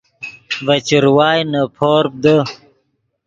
ڤے چروائے نے پورپ دے